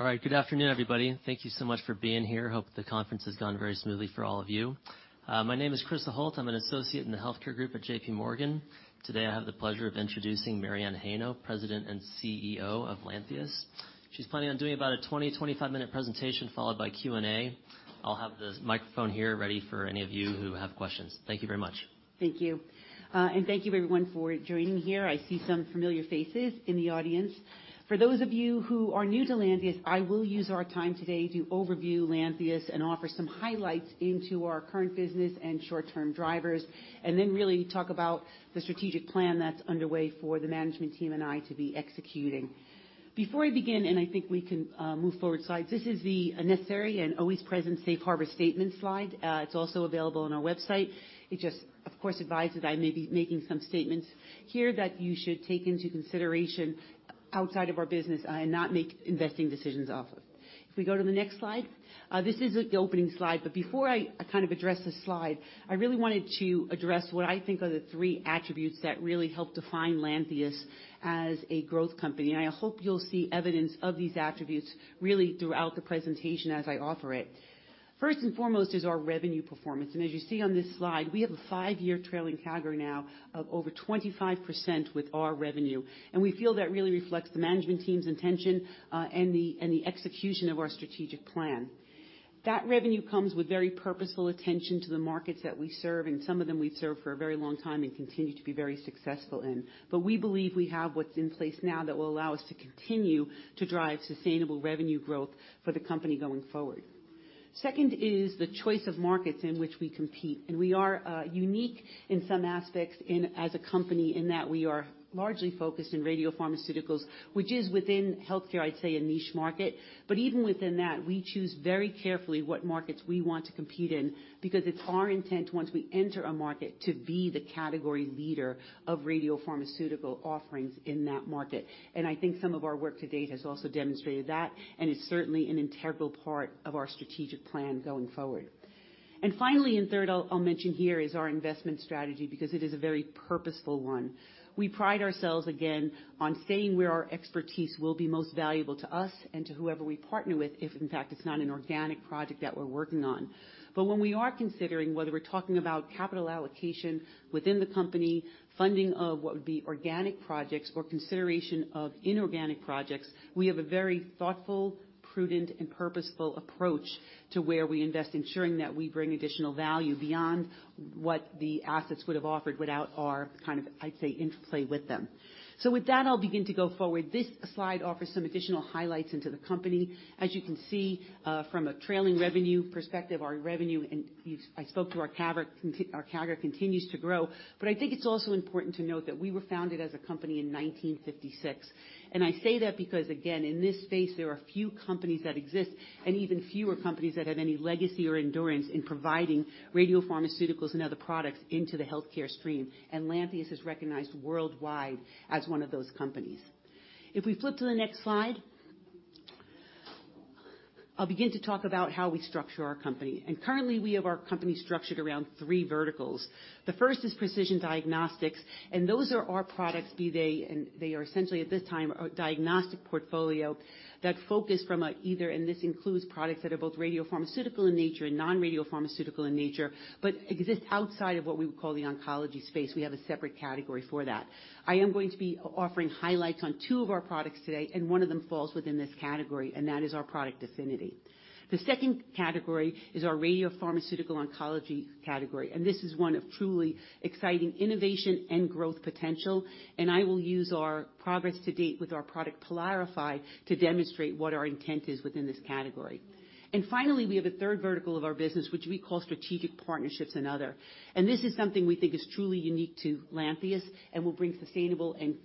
All right. Good afternoon, everybody. Thank you so much for being here. Hope the conference has gone very smoothly for all of you. My name is Chris Holt. I'm an associate in the healthcare group at JPMorgan. Today, I have the pleasure of introducing Mary Anne Heino, President and CEO of Lantheus. She's planning on doing about a 20, 25-minute presentation, followed by Q&A. I'll have the microphone here ready for any of you who have questions. Thank you very much. Thank you. Thank you everyone for joining here. I see some familiar faces in the audience. For those of you who are new to Lantheus, I will use our time today to overview Lantheus and offer some highlights into our current business and short-term drivers, and then really talk about the strategic plan that's underway for the management team and I to be executing. Before I begin, and I think we can move forward slides. This is the necessary and always present safe harbor statement slide. It's also available on our website. It just, of course, advises I may be making some statements here that you should take into consideration outside of our business, and not make investing decisions off of. If we go to the next slide. This is the opening slide. Before I kind of address this slide, I really wanted to address what I think are the three attributes that really help define Lantheus as a growth company. I hope you'll see evidence of these attributes really throughout the presentation as I offer it. First and foremost is our revenue performance. As you see on this slide, we have a five year trailing CAGR now of over 25% with our revenue. We feel that really reflects the management team's intention, and the execution of our strategic plan. That revenue comes with very purposeful attention to the markets that we serve, and some of them we serve for a very long time and continue to be very successful in. We believe we have what's in place now that will allow us to continue to drive sustainable revenue growth for the company going forward. Second is the choice of markets in which we compete. We are unique in some aspects in, as a company, in that we are largely focused in radiopharmaceuticals, which is within healthcare, I'd say a niche market. Even within that, we choose very carefully what markets we want to compete in because it's our intent once we enter a market to be the category leader of radiopharmaceutical offerings in that market. I think some of our work to date has also demonstrated that, and it's certainly an integral part of our strategic plan going forward. Finally, and third, I'll mention here, is our investment strategy because it is a very purposeful one. We pride ourselves, again, on staying where our expertise will be most valuable to us and to whoever we partner with, if in fact it's not an organic project that we're working on. When we are considering whether we're talking about capital allocation within the company, funding of what would be organic projects or consideration of inorganic projects, we have a very thoughtful, prudent, and purposeful approach to where we invest, ensuring that we bring additional value beyond what the assets would have offered without our kind of, I'd say, interplay with them. With that, I'll begin to go forward. This slide offers some additional highlights into the company. As you can see, from a trailing revenue perspective, our revenue, and I spoke to our CAGR continues to grow. I think it's also important to note that we were founded as a company in 1956. I say that because, again, in this space, there are few companies that exist and even fewer companies that have any legacy or endurance in providing radiopharmaceuticals and other products into the healthcare stream. Lantheus is recognized worldwide as one of those companies. If we flip to the next slide. I'll begin to talk about how we structure our company. Currently, we have our company structured around three verticals. The first is precision diagnostics, and those are our products, they are essentially at this time our diagnostic portfolio that focus from a and this includes products that are both radiopharmaceutical in nature and non-radiopharmaceutical in nature, but exist outside of what we would call the oncology space. We have a separate category for that. I am going to be offering highlights on two of our products today. One of them falls within this category, that is our product DEFINITY. The second category is our radiopharmaceutical oncology category. This is one of truly exciting innovation and growth potential. I will use our progress to date with our product PYLARIFY to demonstrate what our intent is within this category. Finally, we have a third vertical of our business, which we call strategic partnerships and other. This is something we think is truly unique to Lantheus and will bring sustainable and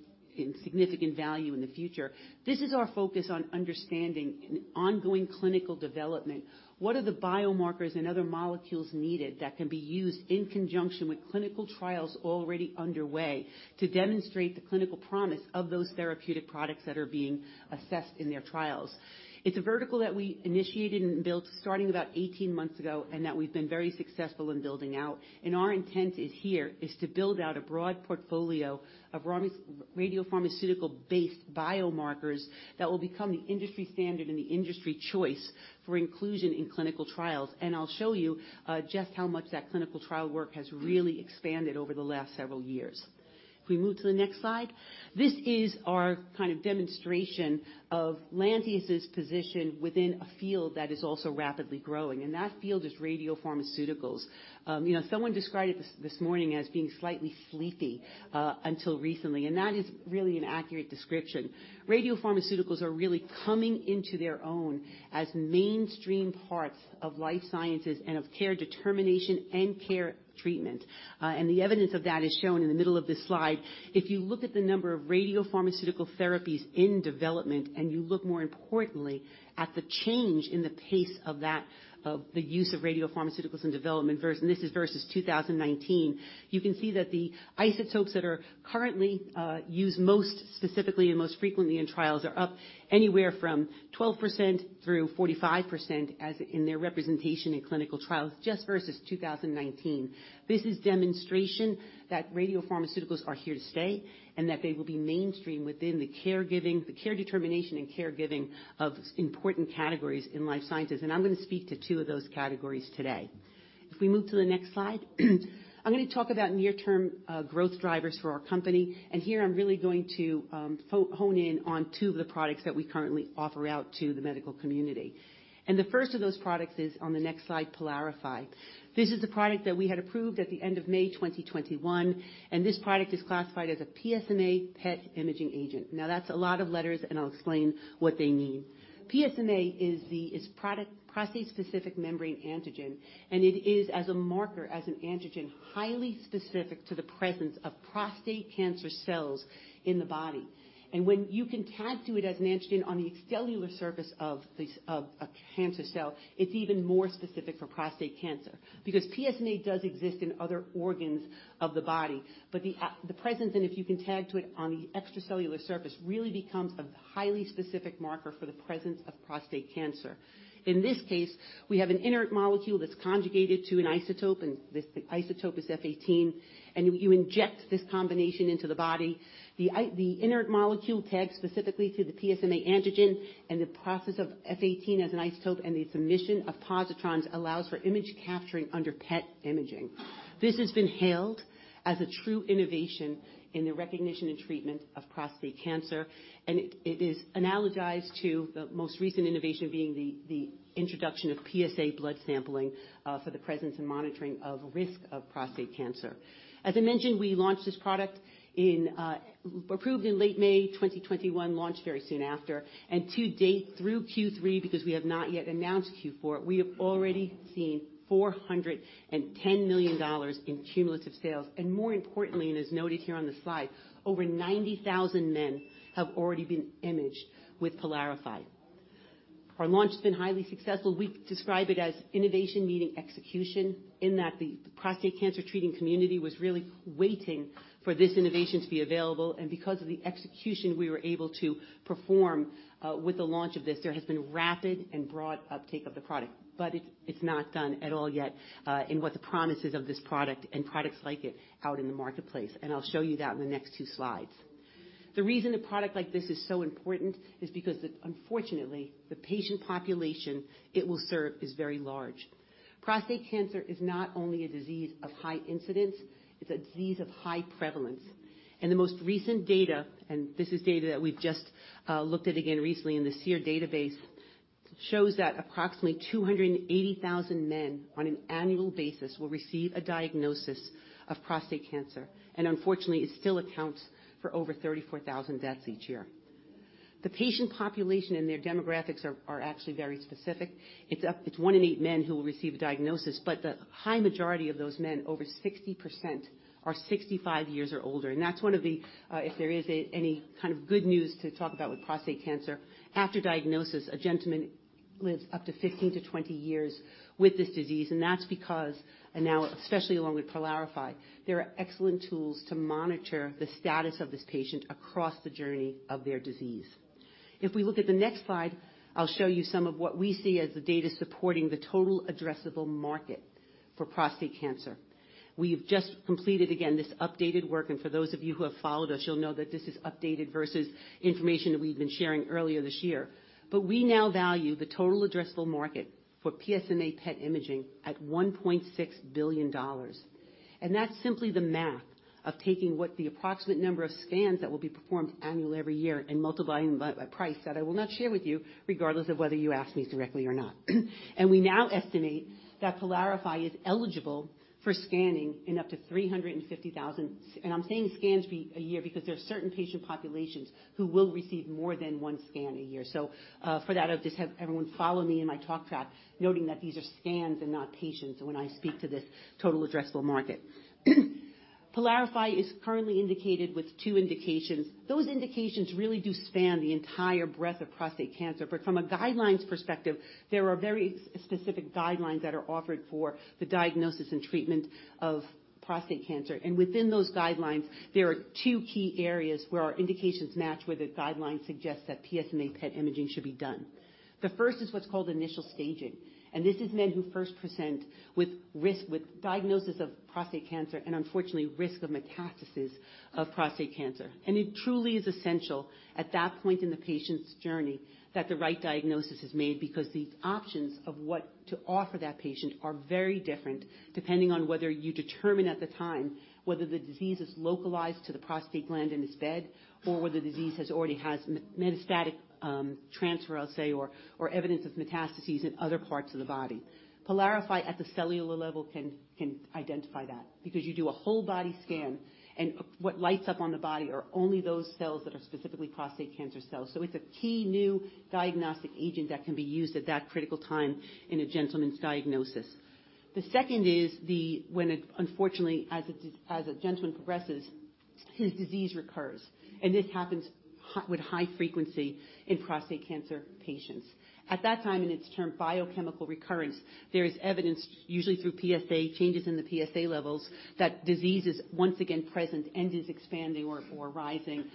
significant value in the future. This is our focus on understanding and ongoing clinical development. What are the biomarkers and other molecules needed that can be used in conjunction with clinical trials already underway to demonstrate the clinical promise of those therapeutic products that are being assessed in their trials? It's a vertical that we initiated and built starting about 18 months ago, and that we've been very successful in building out. Our intent is here is to build out a broad portfolio of radiopharmaceutical-based biomarkers that will become the industry standard and the industry choice for inclusion in clinical trials. I'll show you just how much that clinical trial work has really expanded over the last several years. If we move to the next slide. This is our kind of demonstration of Lantheus' position within a field that is also rapidly growing, and that field is radiopharmaceuticals. You know, someone described it this morning as being slightly sleepy until recently, and that is really an accurate description. Radiopharmaceuticals are really coming into their own as mainstream parts of life sciences and of care determination and care treatment. The evidence of that is shown in the middle of this slide. If you look at the number of radiopharmaceutical therapies in development, and you look more importantly at the change in the pace of that, of the use of radiopharmaceuticals in development, and this is versus 2019. You can see that the isotopes that are currently used most specifically and most frequently in trials are up anywhere from 12% through 45%, as in their representation in clinical trials, just versus 2019. This is demonstration that radiopharmaceuticals are here to stay, and that they will be mainstream within the caregiving, the care determination and caregiving of important categories in life sciences. I'm gonna speak to two of those categories today. If we move to the next slide. I'm gonna talk about near-term growth drivers for our company. Here, I'm really going to hone in on two of the products that we currently offer out to the medical community. The first of those products is on the next slide, PYLARIFY. This is the product that we had approved at the end of May 2021, and this product is classified as a PSMA PET imaging agent. Now, that's a lot of letters, and I'll explain what they mean. PSMA is the prostate-specific membrane antigen, it is as a marker, as an antigen, highly specific to the presence of prostate cancer cells in the body. When you can tag to it as an antigen on the cellular surface of this, a cancer cell, it's even more specific for prostate cancer. Because PSMA does exist in other organs of the body, the presence, and if you can tag to it on the extracellular surface, really becomes a highly specific marker for the presence of prostate cancer. In this case, we have an inert molecule that's conjugated to an isotope, the isotope is F-18. You inject this combination into the body. The inert molecule tags specifically to the PSMA antigen and the process of F-18 as an isotope, and its emission of positrons allows for image capturing under PET imaging. This has been hailed as a true innovation in the recognition and treatment of prostate cancer, and it is analogized to the most recent innovation being the introduction of PSA blood sampling for the presence and monitoring of risk of prostate cancer. As I mentioned, we launched this product in. Approved in late May 2021, launched very soon after. To date, through Q3, because we have not yet announced Q4, we have already seen $410 million in cumulative sales. More importantly, and as noted here on the slide, over 90,000 men have already been imaged with PYLARIFY. Our launch has been highly successful. We describe it as innovation meeting execution in that the prostate cancer treating community was really waiting for this innovation to be available. Because of the execution we were able to perform with the launch of this, there has been rapid and broad uptake of the product. It's not done at all yet in what the promises of this product and products like it out in the marketplace. I'll show you that in the next two slides. The reason a product like this is so important is because unfortunately, the patient population it will serve is very large. Prostate cancer is not only a disease of high incidence, it's a disease of high prevalence. The most recent data, and this is data that we've just looked at again recently in the SEER database, shows that approximately 280,000 men on an annual basis will receive a diagnosis of prostate cancer. Unfortunately, it still accounts for over 34,000 deaths each year. The patient population and their demographics are actually very specific. It's one in eight men who will receive a diagnosis, but the high majority of those men, over 60%, are 65 years or older. That's one of the, if there is any kind of good news to talk about with prostate cancer, after diagnosis, a gentleman lives up to 15-20 years with this disease, and that's because, now especially along with PYLARIFY, there are excellent tools to monitor the status of this patient across the journey of their disease. If we look at the next slide, I'll show you some of what we see as the data supporting the total addressable market for prostate cancer. We've just completed, again, this updated work. For those of you who have followed us, you'll know that this is updated versus information that we've been sharing earlier this year. We now value the total addressable market for PSMA PET imaging at $1.6 billion. That's simply the math of taking what the approximate number of scans that will be performed annually every year and multiplying by a price that I will not share with you, regardless of whether you ask me directly or not. We now estimate that PYLARIFY is eligible for scanning in up to 350,000. I'm saying scans be a year because there are certain patient populations who will receive more than one scan a year. For that, I'll just have everyone follow me in my talk track, noting that these are scans and not patients when I speak to this total addressable market. PYLARIFY is currently indicated with two indications. Those indications really do span the entire breadth of prostate cancer. From a guidelines perspective, there are very specific guidelines that are offered for the diagnosis and treatment of prostate cancer. Within those guidelines, there are two key areas where our indications match, where the guidelines suggest that PSMA PET imaging should be done. The first is what's called initial staging. This is men who first present with risk, with diagnosis of prostate cancer and unfortunately risk of metastasis of prostate cancer. It truly is essential at that point in the patient's journey that the right diagnosis is made because the options of what to offer that patient are very different depending on whether you determine at the time whether the disease is localized to the prostate gland in its bed, or whether disease has already has metastatic transfer, I'll say, or evidence of metastases in other parts of the body. PYLARIFY at the cellular level can identify that because you do a whole body scan and what lights up on the body are only those cells that are specifically prostate cancer cells. It's a key new diagnostic agent that can be used at that critical time in a gentleman's diagnosis. The second is when it, unfortunately, as a gentleman progresses, his disease recurs. This happens with high frequency in prostate cancer patients. At that time, and it's termed biochemical recurrence, there is evidence, usually through PSA, changes in the PSA levels, that disease is once again present and is expanding or rising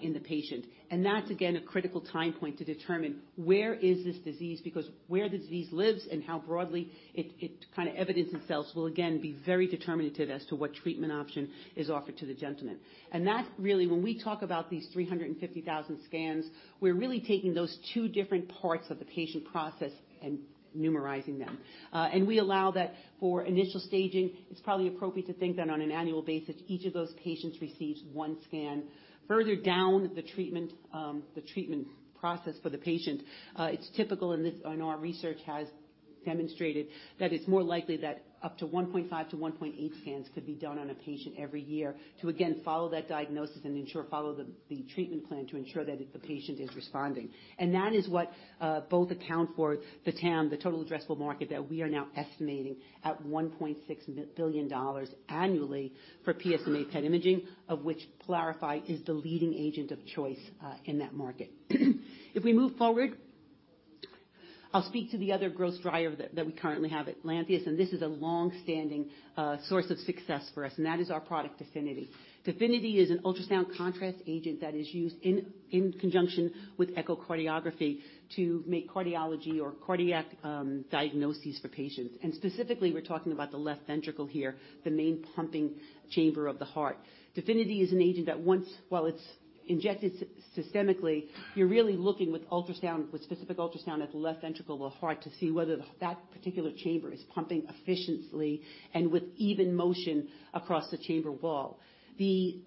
in the patient. That's again, a critical time point to determine where is this disease, because where disease lives and how broadly it kinda evidences itself will again, be very determinative as to what treatment option is offered to the gentleman. That really, when we talk about these 350,000 scans, we're really taking those two different parts of the patient process and numerizing them. And we allow that for initial staging. It's probably appropriate to think that on an annual basis, each of those patients receives one scan. Further down the treatment, the treatment process for the patient, it's typical, and this, and our research has demonstrated that it's more likely that up to 1.5 to 1.8 scans could be done on a patient every year to again, follow that diagnosis and ensure follow the treatment plan to ensure that the patient is responding. That is what both account for the TAM, the total addressable market, that we are now estimating at $1.6 billion annually for PSMA PET imaging of which PYLARIFY is the leading agent of choice in that market. If we move forward. I'll speak to the other gross driver that we currently have at Lantheus. This is a long-standing source of success for us, and that is our product DEFINITY. DEFINITY is an ultrasound contrast agent that is used in conjunction with echocardiography to make cardiology or cardiac diagnoses for patients. Specifically, we're talking about the left ventricle here, the main pumping chamber of the heart. DEFINITY is an agent that while it's injected systemically, you're really looking with ultrasound with specific ultrasound at the left ventricle of the heart to see whether that particular chamber is pumping efficiently and with even motion across the chamber wall. The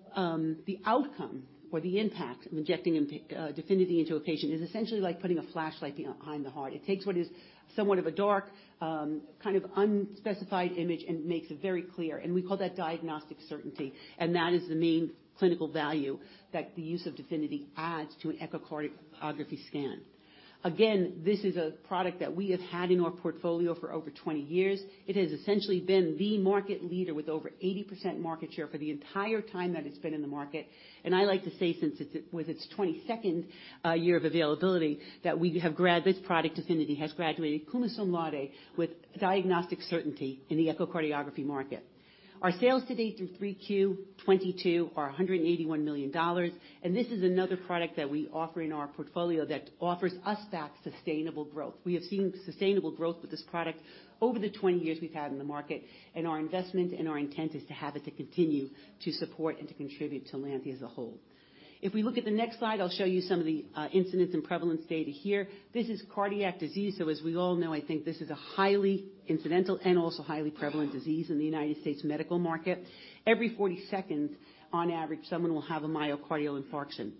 outcome or the impact of injecting into DEFINITY into a patient is essentially like putting a flashlight behind the heart. It takes what is somewhat of a dark, kind of unspecified image and makes it very clear, and we call that diagnostic certainty. That is the main clinical value that the use of DEFINITY adds to an echocardiography scan. Again, this is a product that we have had in our portfolio for over 20 years. It has essentially been the market leader with over 80% market share for the entire time that it's been in the market. I like to say, with its 22nd year of availability, that this product, DEFINITY, has graduated summa cum laude with diagnostic certainty in the echocardiography market. Our sales to date through 3Q 2022 are $181 million, and this is another product that we offer in our portfolio that offers us that sustainable growth. We have seen sustainable growth with this product over the 20 years we've had in the market, and our investment and our intent is to have it to continue to support and to contribute to Lantheus as a whole. If we look at the next slide, I'll show you some of the incidence and prevalence data here. This is cardiac disease, so as we all know, I think this is a highly incidental and also highly prevalent disease in the United States medical market. Every 40 seconds, on average, someone will have a myocardial infarction.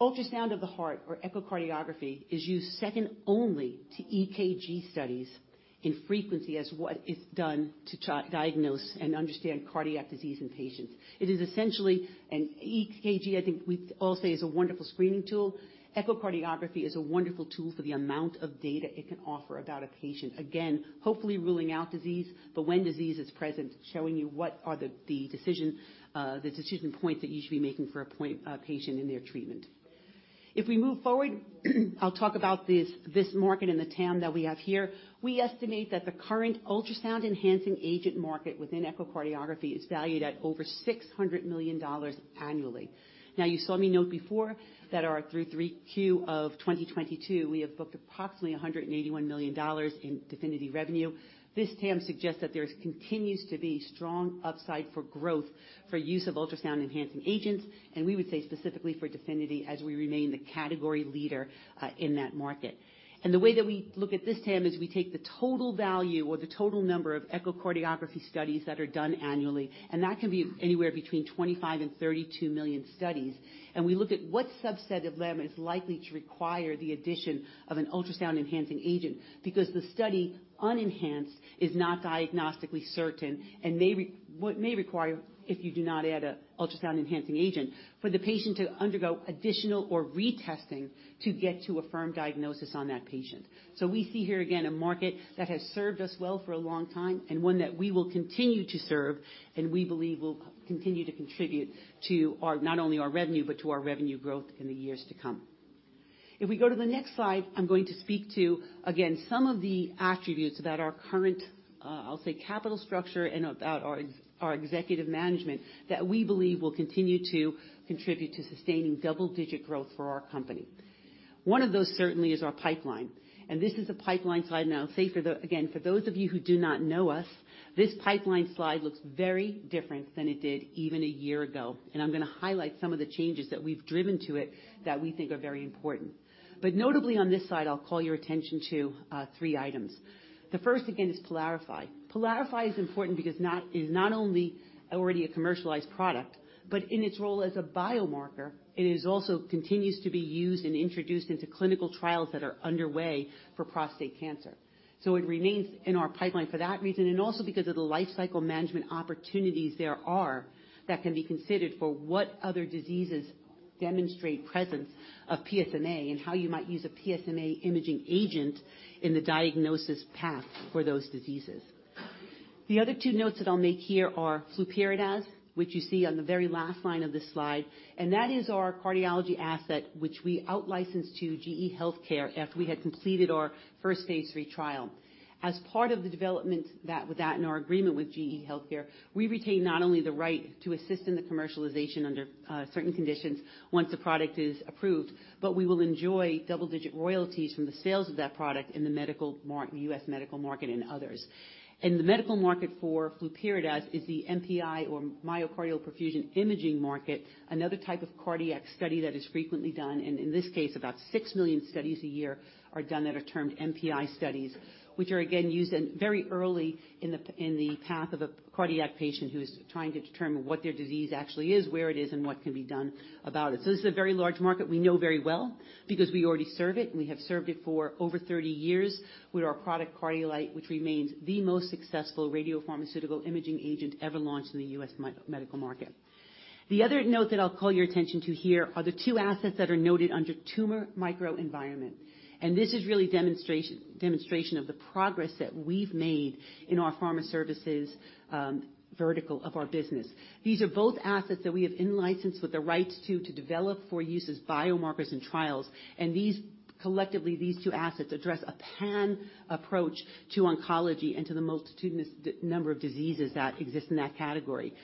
Ultrasound of the heart or echocardiography is used second only to EKG studies in frequency as what is done to diagnose and understand cardiac disease in patients. It is essentially, an EKG, I think we'd all say, is a wonderful screening tool. Echocardiography is a wonderful tool for the amount of data it can offer about a patient. Again, hopefully ruling out disease, but when disease is present, showing you what are the decision points that you should be making for a patient in their treatment. We move forward, I'll talk about this market and the TAM that we have here. We estimate that the current ultrasound enhancing agent market within echocardiography is valued at over $600 million annually. You saw me note before that our through 3Q of 2022, we have booked approximately $181 million in DEFINITY revenue. This TAM suggests that there continues to be strong upside for growth for use of ultrasound enhancing agents, and we would say specifically for DEFINITY as we remain the category leader in that market. The way that we look at this TAM is we take the total value or the total number of echocardiography studies that are done annually, and that can be anywhere between 25 million and 32 million studies. We look at what subset of them is likely to require the addition of an ultrasound-enhancing agent, because the study unenhanced is not diagnostically certain and may require, if you do not add an ultrasound-enhancing agent, for the patient to undergo additional or retesting to get to a firm diagnosis on that patient. We see here, again, a market that has served us well for a long time, and one that we will continue to serve, and we believe will continue to contribute to our, not only our revenue, but to our revenue growth in the years to come. If we go to the next slide, I'm going to speak to, again, some of the attributes about our current, I'll say capital structure and about our executive management that we believe will continue to contribute to sustaining double-digit growth for our company. One of those certainly is our pipeline. This is a pipeline slide and I'll say again, for those of you who do not know us, this pipeline slide looks very different than it did even a year ago. I'm gonna highlight some of the changes that we've driven to it that we think are very important. Notably on this slide, I'll call your attention to three items. The first, again, is PYLARIFY. PYLARIFY is important because it's not only already a commercialized product, but in its role as a biomarker, it is also continues to be used and introduced into clinical trials that are underway for prostate cancer. It remains in our pipeline for that reason, and also because of the lifecycle management opportunities there are that can be considered for what other diseases demonstrate presence of PSMA and how you might use a PSMA imaging agent in the diagnosis path for those diseases. The other two notes that I'll make here are Flurpiridaz, which you see on the very last line of this slide, and that is our cardiology asset, which we outlicensed to GE HealthCare after we had completed our first phase 3 trial. As part of the development that in our agreement with GE HealthCare, we retain not only the right to assist in the commercialization under certain conditions once the product is approved, but we will enjoy double-digit royalties from the sales of that product in the medical U.S. medical market and others. The medical market for Flurpiridaz is the MPI or myocardial perfusion imaging market. Another type of cardiac study that is frequently done, and in this case, about 6 million studies a year are done that are termed MPI studies, which are again used very early in the path of a cardiac patient who is trying to determine what their disease actually is, where it is, and what can be done about it. This is a very large market we know very well because we already serve it, and we have served it for over 30 years with our product Cardiolite, which remains the most successful radiopharmaceutical imaging agent ever launched in the U.S. medical market. The other note that I'll call your attention to here are the two assets that are noted under tumor microenvironment. This is really demonstration of the progress that we've made in our pharma services vertical of our business. These are both assets that we have in-licensed with the rights to develop for use as biomarkers in trials. Collectively, these two assets address a pan approach to oncology and to the multitudinous number of diseases that exist in that category.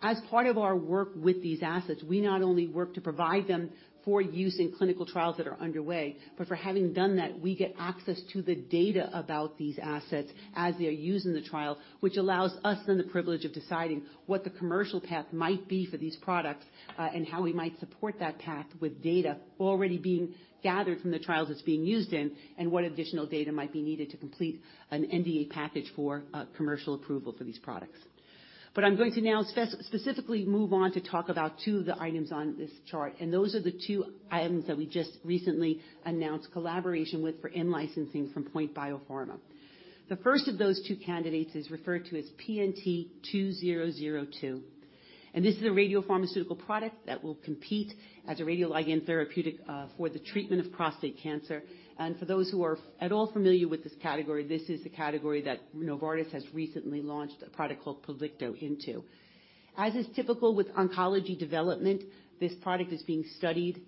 As part of our work with these assets, we not only work to provide them for use in clinical trials that are underway, but for having done that, we get access to the data about these assets as they are used in the trial, which allows us then the privilege of deciding what the commercial path might be for these products, and how we might support that path with data already being gathered from the trials it's being used in, and what additional data might be needed to complete an NDA package for commercial approval for these products. I'm going to now specifically move on to talk about two of the items on this chart, and those are the two items that we just recently announced collaboration with for in-licensing from POINT Biopharma. The first of those two candidates is referred to as PNT2002, and this is a radiopharmaceutical product that will compete as a radioligand therapeutic for the treatment of prostate cancer. For those who are at all familiar with this category, this is the category that Novartis has recently launched a product called Pluvicto into. As is typical with oncology development, this product is being studied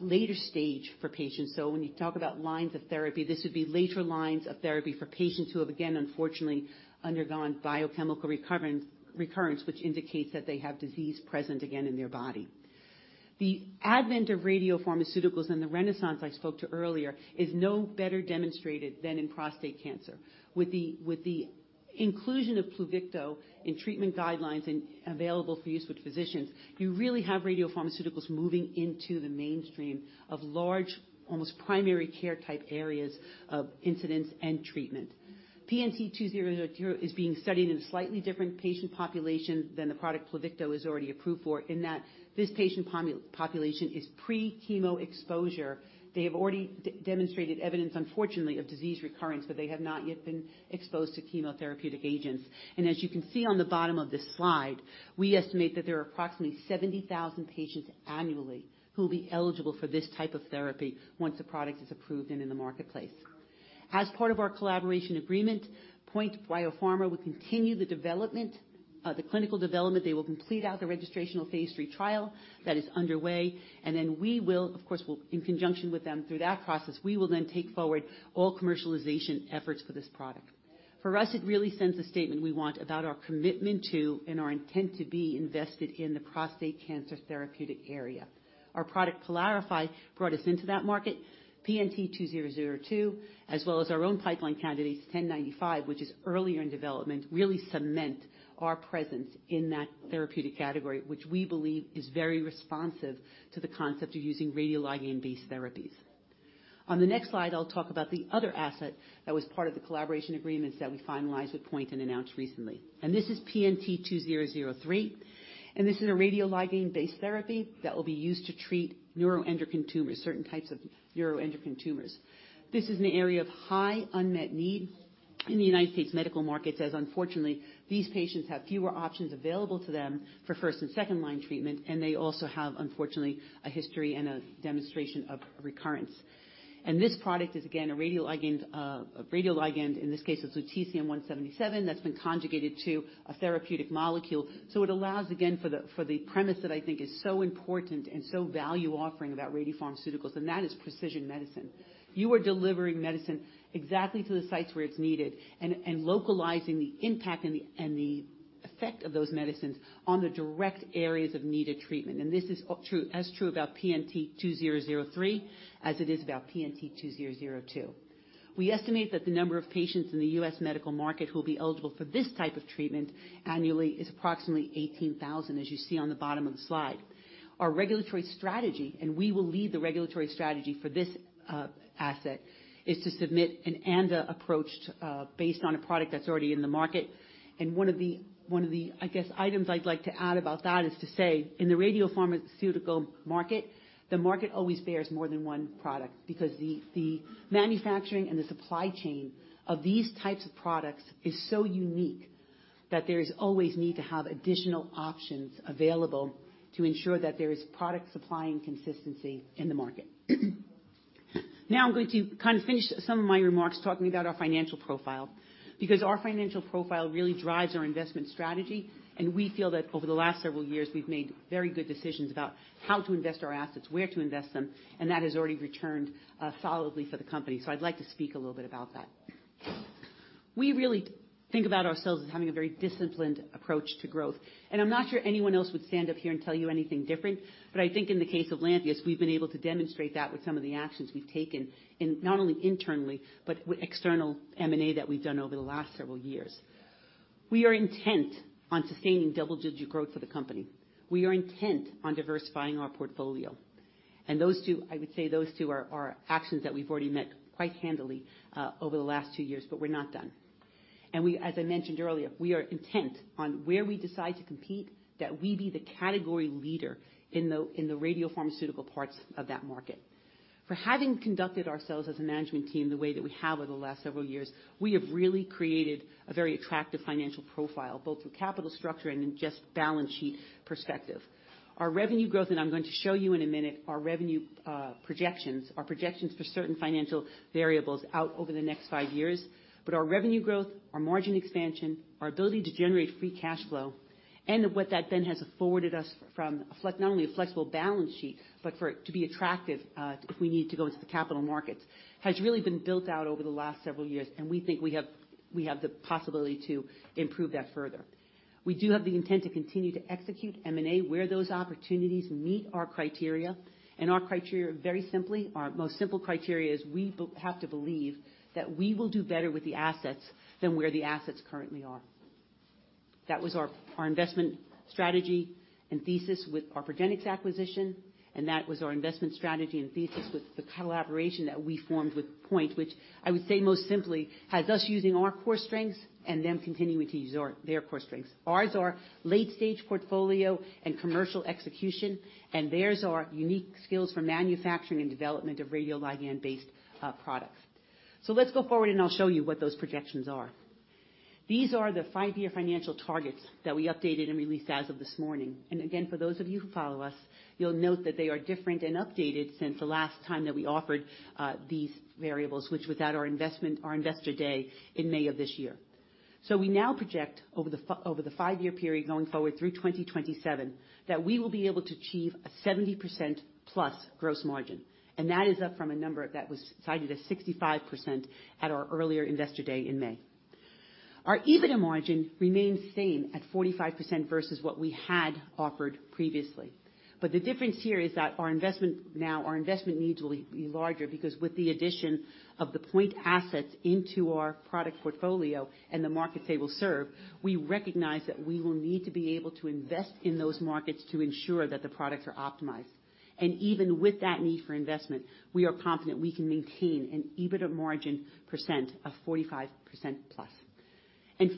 later stage for patients. When you talk about lines of therapy, this would be later lines of therapy for patients who have, again, unfortunately, undergone biochemical recurrence, which indicates that they have disease present again in their body. The advent of radiopharmaceuticals and the renaissance I spoke to earlier is no better demonstrated than in prostate cancer. With the inclusion of Pluvicto in treatment guidelines and available for use with physicians, you really have radiopharmaceuticals moving into the mainstream of large, almost primary care type areas of incidence and treatment. PNT2002 is being studied in a slightly different patient population than the product Pluvicto is already approved for, in that this patient population is pre-chemo exposure. They have already demonstrated evidence, unfortunately, of disease recurrence, but they have not yet been exposed to chemotherapeutic agents. As you can see on the bottom of this slide, we estimate that there are approximately 70,000 patients annually who will be eligible for this type of therapy once the product is approved and in the marketplace. As part of our collaboration agreement, POINT Biopharma will continue the clinical development. They will complete out the registrational phase three trial that is underway. Of course, in conjunction with them through that process, we will then take forward all commercialization efforts for this product. For us, it really sends a statement we want about our commitment to and our intent to be invested in the prostate cancer therapeutic area. Our product PYLARIFY brought us into that market. PNT2002, as well as our own pipeline candidates, 1095, which is earlier in development, really cement our presence in that therapeutic category, which we believe is very responsive to the concept of using radioligand-based therapies. On the next slide, I'll talk about the other asset that was part of the collaboration agreements that we finalized with POINT and announced recently. This is PNT2003, and this is a radioligand-based therapy that will be used to treat neuroendocrine tumors, certain types of neuroendocrine tumors. This is an area of high unmet need in the United States medical markets as, unfortunately, these patients have fewer options available to them for first and second-line treatment, and they also have, unfortunately, a history and a demonstration of recurrence. This product is, again, a radioligand, in this case, it's Lutetium-177 that's been conjugated to a therapeutic molecule. It allows, again, for the premise that I think is so important and so value offering about radiopharmaceuticals, and that is precision medicine. You are delivering medicine exactly to the sites where it's needed and localizing the impact and the effect of those medicines on the direct areas of needed treatment. This is true, as true about PNT2003 as it is about PNT2002. We estimate that the number of patients in the U.S. medical market who will be eligible for this type of treatment annually is approximately 18,000, as you see on the bottom of the slide. Our regulatory strategy, and we will lead the regulatory strategy for this asset, is to submit an ANDA approach, based on a product that's already in the market. One of the, I guess, items I'd like to add about that is to say, in the radiopharmaceutical market, the market always bears more than one product because the manufacturing and the supply chain of these types of products is so unique that there is always need to have additional options available to ensure that there is product supply and consistency in the market. Now I'm going to kind of finish some of my remarks talking about our financial profile, because our financial profile really drives our investment strategy, and we feel that over the last several years, we've made very good decisions about how to invest our assets, where to invest them, and that has already returned solidly for the company. I'd like to speak a little bit about that. We really think about ourselves as having a very disciplined approach to growth. I'm not sure anyone else would stand up here and tell you anything different, but I think in the case of Lantheus, we've been able to demonstrate that with some of the actions we've taken in not only internally, but with external M&A that we've done over the last several years. We are intent on sustaining double-digit growth for the company. We are intent on diversifying our portfolio. I would say those two are actions that we've already met quite handily over the last two years, but we're not done. We, as I mentioned earlier, we are intent on where we decide to compete, that we be the category leader in the radiopharmaceutical parts of that market. For having conducted ourselves as a management team the way that we have over the last several years, we have really created a very attractive financial profile, both with capital structure and in just balance sheet perspective. Our revenue growth, and I'm going to show you in a minute our revenue projections, our projections for certain financial variables out over the next five years. Our revenue growth, our margin expansion, our ability to generate free cash flow and what that then has afforded us from not only a flexible balance sheet, but for it to be attractive, if we need to go into the capital markets, has really been built out over the last several years, and we think we have the possibility to improve that further. We do have the intent to continue to execute M&A, where those opportunities meet our criteria, and our criteria, very simply, our most simple criteria is we have to believe that we will do better with the assets than where the assets currently are. That was our investment strategy and thesis with our Progenics acquisition. That was our investment strategy and thesis with the collaboration that we formed with POINT, which I would say most simply has us using our core strengths and them continuing to use their core strengths. Ours are late-stage portfolio and commercial execution. Theirs are unique skills for manufacturing and development of radioligand-based products. Let's go forward. I'll show you what those projections are. These are the five year financial targets that we updated and released as of this morning. Again, for those of you who follow us, you'll note that they are different and updated since the last time that we offered these variables, which was at our Investor Day in May of this year. We now project over the five year period going forward through 2027, that we will be able to achieve a 70%+ gross margin. That is up from a number that was cited as 65% at our earlier Investor Day in May. Our EBITDA margin remains same at 45% versus what we had offered previously. The difference here is that our investment now, our investment needs will be larger because with the addition of the POINT assets into our product portfolio and the markets they will serve, we recognize that we will need to be able to invest in those markets to ensure that the products are optimized. Even with that need for investment, we are confident we can maintain an EBITDA margin percent of 45%+.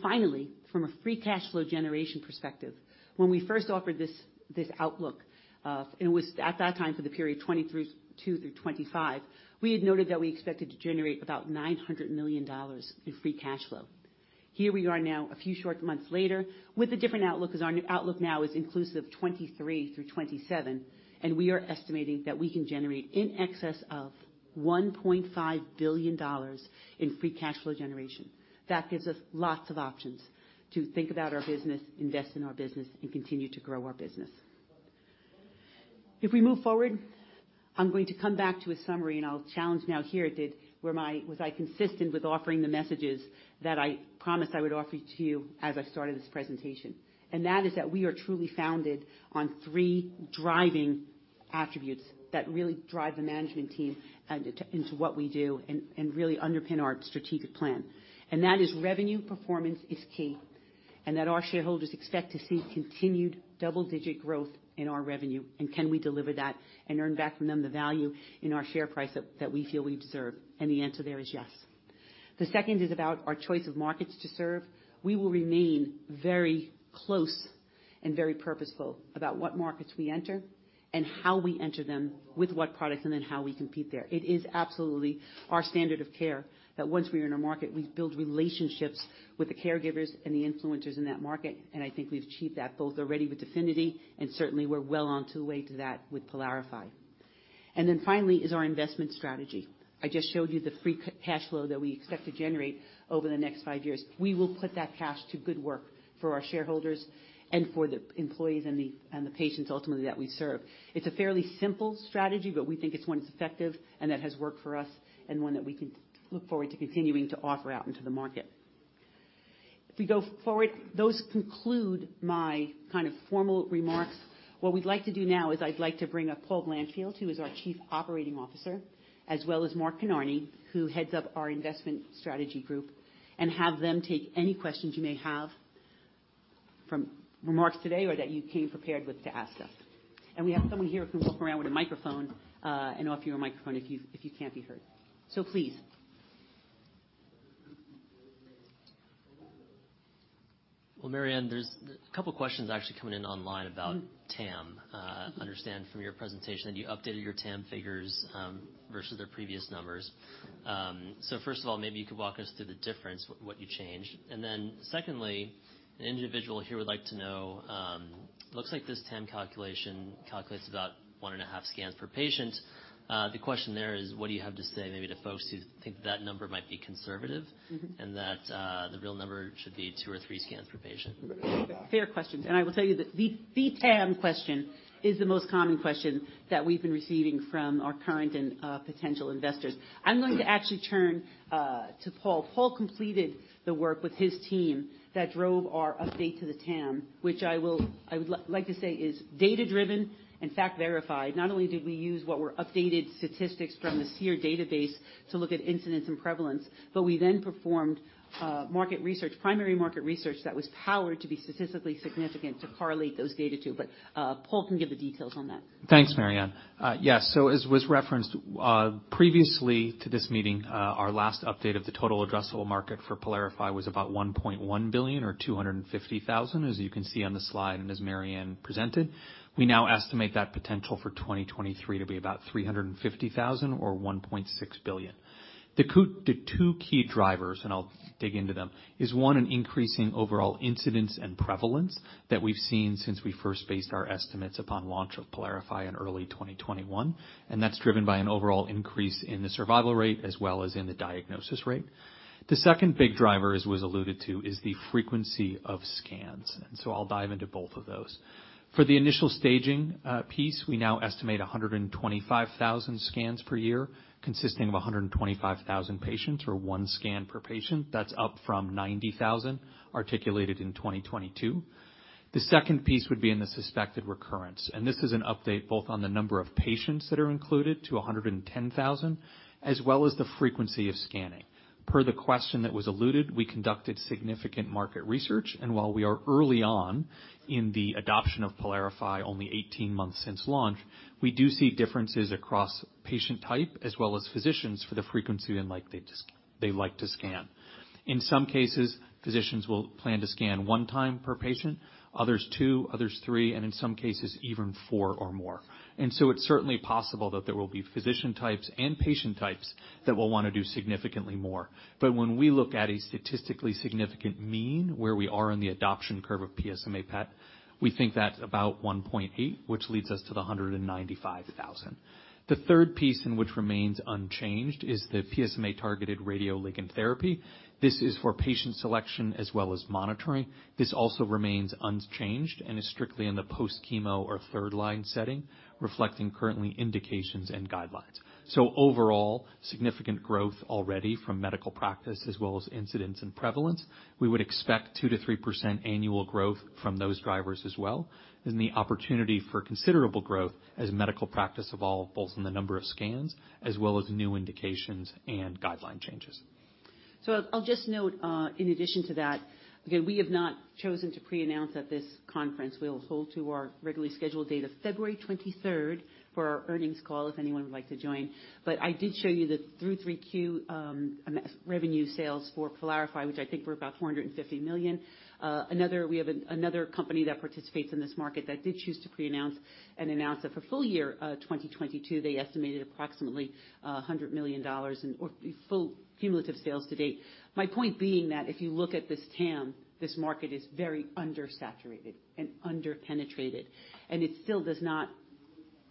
Finally, from a free cash flow generation perspective, when we first offered this outlook, and it was at that time for the period 2022-2025, we had noted that we expected to generate about $900 million in free cash flow. Here we are now, a few short months later, with a different outlook, as our outlook now is inclusive of 2023-2027, we are estimating that we can generate in excess of $1.5 billion in free cash flow generation. That gives us lots of options to think about our business, invest in our business, and continue to grow our business. If we move forward, I'm going to come back to a summary, and I'll challenge now here, was I consistent with offering the messages that I promised I would offer to you as I started this presentation? That is that we are truly founded on three driving attributes that really drive the management team and, into what we do and really underpin our strategic plan. That is revenue performance is key, and that our shareholders expect to see continued double-digit growth in our revenue. Can we deliver that and earn back from them the value in our share price that we feel we deserve? The answer there is yes. The second is about our choice of markets to serve. We will remain very close and very purposeful about what markets we enter and how we enter them, with what products. How we compete there. It is absolutely our standard of care that once we are in a market, we build relationships with the caregivers and the influencers in that market. I think we've achieved that both already with DEFINITY and certainly we're well on to the way to that with PYLARIFY. Finally is our investment strategy. I just showed you the free cash flow that we expect to generate over the next five years. We will put that cash to good work for our shareholders and for the employees and the patients ultimately that we serve. It's a fairly simple strategy, but we think it's one that's effective and that has worked for us and one that we can look forward to continuing to offer out into the market. If we go forward, those conclude my kind of formal remarks. What we'd like to do now is I'd like to bring up Paul Blanchfield, who is our Chief Operating Officer, as well as Mark Kostjuh, who heads up our investment strategy group, and have them take any questions you may have from remarks today or that you came prepared with to ask us. We have someone here who can walk around with a microphone and offer you a microphone if you can't be heard. Please. Well, Maryanne, there's a couple questions actually coming in online about TAM. Understand from your presentation that you updated your TAM figures, versus their previous numbers. First of all, maybe you could walk us through the difference, what you changed. Secondly, an individual here would like to know, looks like this TAM calculation calculates about one and a half scans per patient. The question there is, what do you have to say maybe to folks who think that number might be conservative- Mm-hmm. That the real number should be two or 3 scans per patient? Fair questions. I will tell you that the TAM question is the most common question that we've been receiving from our current and potential investors. I'm going to actually turn to Paul. Paul completed the work with his team that drove our update to the TAM, which I would like to say is data-driven and fact-verified. Not only did we use what were updated statistics from the SEER database to look at incidence and prevalence, but we then performed market research, primary market research, that was powered to be statistically significant to correlate those data too. Paul can give the details on that. Thanks, Mary Anne. Yes. As was referenced previously to this meeting, our last update of the total addressable market for PYLARIFY was about $1.1 billion or 250,000, as you can see on the slide and as Mary Anne presented. We now estimate that potential for 2023 to be about 350,000 or $1.6 billion. The two key drivers, and I'll dig into them, is one: an increasing overall incidence and prevalence that we've seen since we first based our estimates upon launch of PYLARIFY in early 2021, and that's driven by an overall increase in the survival rate as well as in the diagnosis rate. The second big driver, as was alluded to, is the frequency of scans. I'll dive into both of those. For the initial staging piece, we now estimate 125,000 scans per year, consisting of 125,000 patients, or one scan per patient. That's up from 90,000 articulated in 2022. The second piece would be in the suspected recurrence. This is an update both on the number of patients that are included to 110,000, as well as the frequency of scanning. Per the question that was alluded, we conducted significant market research, and while we are early on in the adoption of PYLARIFY, only 18 months since launch, we do see differences across patient type as well as physicians for the frequency they like to scan. In some cases, physicians will plan to scan one time per patient, others two, others three, and in some cases even four or more. It's certainly possible that there will be physician types and patient types that will wanna do significantly more. When we look at a statistically significant mean, where we are in the adoption curve of PSMA PET, we think that's about 1.8, which leads us to the 195,000. The third piece, which remains unchanged, is the PSMA-targeted radioligand therapy. This is for patient selection as well as monitoring. This also remains unchanged and is strictly in the post-chemo or third line setting, reflecting currently indications and guidelines. Overall, significant growth already from medical practice as well as incidence and prevalence. We would expect 2%-3% annual growth from those drivers as well, and the opportunity for considerable growth as medical practice evolve, both in the number of scans as well as new indications and guideline changes. I'll just note, in addition to that, again, we have not chosen to pre-announce at this conference. We'll hold to our regularly scheduled date of February 23rd for our earnings call if anyone would like to join. I did show you that through 3Q, revenue sales for PYLARIFY, which I think were about $450 million. We have another company that participates in this market that did choose to pre-announce and announce that for full year 2022, they estimated approximately $100 million in or full cumulative sales to date. My point being that if you look at this TAM, this market is very undersaturated and underpenetrated, and it still does not,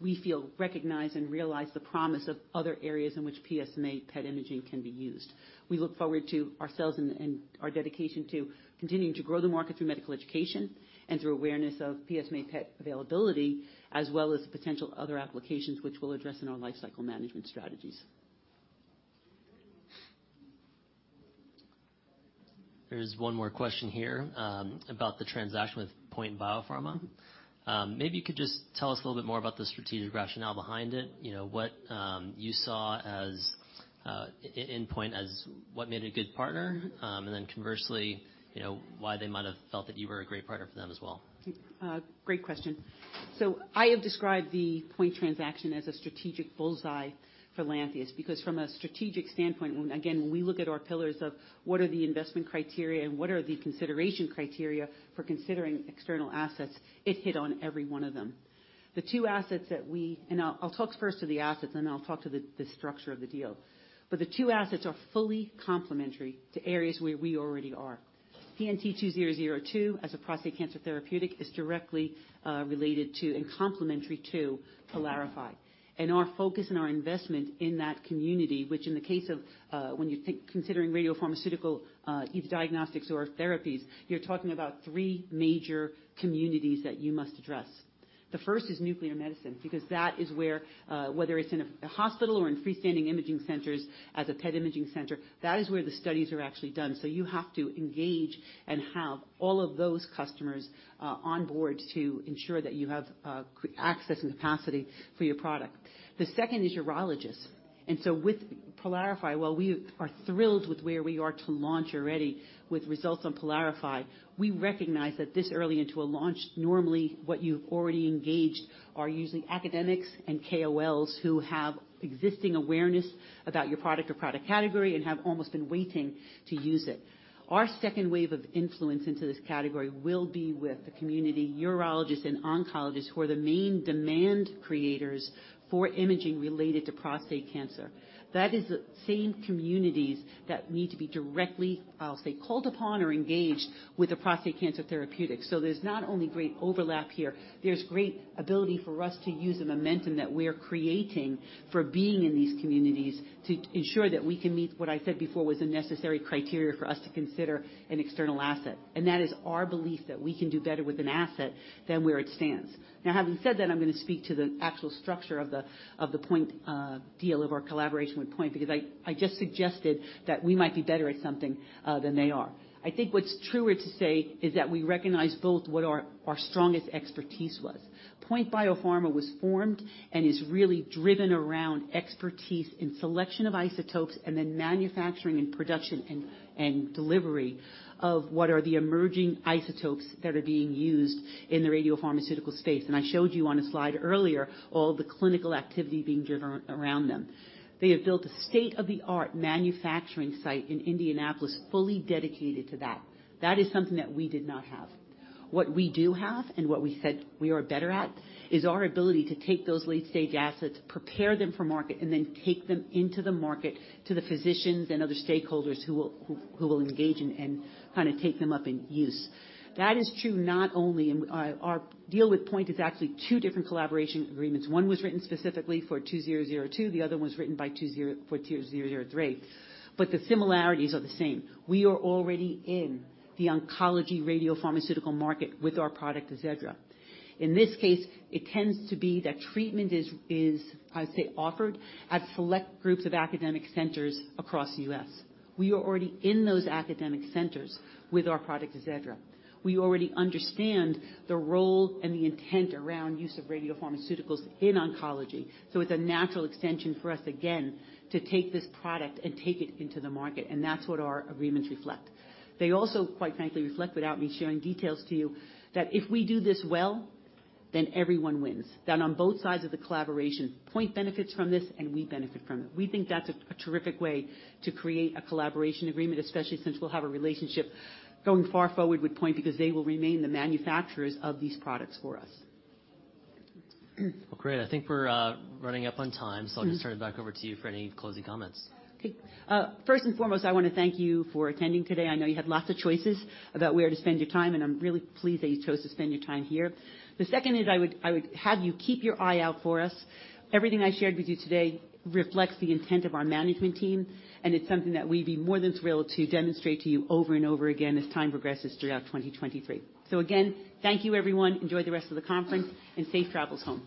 we feel, recognize and realize the promise of other areas in which PSMA PET imaging can be used. We look forward to ourselves and our dedication to continuing to grow the market through medical education and through awareness of PSMA PET availability, as well as the potential other applications which we'll address in our lifecycle management strategies. There's one more question here about the transaction with POINT Biopharma. Maybe you could just tell us a little bit more about the strategic rationale behind it, you know, what you saw as in POINT as what made it a good partner, and then conversely, you know, why they might have felt that you were a great partner for them as well. Great question. I have described the POINT transaction as a strategic bullseye for Lantheus, because from a strategic standpoint, when, again, when we look at our pillars of what are the investment criteria and what are the consideration criteria for considering external assets, it hit on every one of them. The two assets I'll talk first to the assets, and I'll talk to the structure of the deal. The two assets are fully complementary to areas where we already are. PNT2002 as a prostate cancer therapeutic is directly related to and complementary to PYLARIFY. Our focus and our investment in that community, which in the case of, when you think considering radiopharmaceutical, either diagnostics or therapies, you're talking about three major communities that you must address. The first is nuclear medicine, because that is where, whether it's in a hospital or in freestanding imaging centers as a PET imaging center, that is where the studies are actually done. You have to engage and have all of those customers on board to ensure that you have access and capacity for your product. The second is urologists. With PYLARIFY, while we are thrilled with where we are to launch already with results on PYLARIFY, we recognize that this early into a launch, normally, what you've already engaged are usually academics and KOLs who have existing awareness about your product or product category and have almost been waiting to use it. Our second wave of influence into this category will be with the community urologists and oncologists who are the main demand creators for imaging related to prostate cancer. That is the same communities that need to be directly, I'll say, called upon or engaged with a prostate cancer therapeutic. There's not only great overlap here, there's great ability for us to use the momentum that we're creating for being in these communities to ensure that we can meet what I said before was a necessary criteria for us to consider an external asset. That is our belief that we can do better with an asset than where it stands. Now, having said that, I'm gonna speak to the actual structure of the POINT deal of our collaboration with POINT, because I just suggested that we might be better at something than they are. I think what's truer to say is that we recognize both what our strongest expertise was. POINT Biopharma was formed and is really driven around expertise in selection of isotopes and then manufacturing and production and delivery of what are the emerging isotopes that are being used in the radiopharmaceutical space. I showed you on a slide earlier all the clinical activity being driven around them. They have built a state-of-the-art manufacturing site in Indianapolis, fully dedicated to that. That is something that we did not have. What we do have and what we said we are better at is our ability to take those late-stage assets, prepare them for market, and then take them into the market to the physicians and other stakeholders who will engage and kinda take them up in use. That is true not only. Our deal with POINT is actually two different collaboration agreements. One was written specifically for 2002, the other one's written for 2003. The similarities are the same. We are already in the oncology radiopharmaceutical market with our product AZEDRA. In this case, it tends to be that treatment is, I would say, offered at select groups of academic centers across the U.S. We are already in those academic centers with our product, AZEDRA. We already understand the role and the intent around use of radiopharmaceuticals in oncology. It's a natural extension for us, again, to take this product and take it into the market, and that's what our agreements reflect. They also, quite frankly, reflect without me sharing details to you, that if we do this well, then everyone wins. On both sides of the collaboration, POINT benefits from this, and we benefit from it. We think that's a terrific way to create a collaboration agreement, especially since we'll have a relationship going far forward with Point because they will remain the manufacturers of these products for us. Well, great. I think we're running up on time. Mm-hmm. I'll just turn it back over to you for any closing comments. Okay. First and foremost, I wanna thank you for attending today. I know you had lots of choices about where to spend your time, and I'm really pleased that you chose to spend your time here. The second is I would have you keep your eye out for us. Everything I shared with you today reflects the intent of our management team, and it's something that we'd be more than thrilled to demonstrate to you over and over again as time progresses throughout 2023. Again, thank you, everyone. Enjoy the rest of the conference and safe travels home.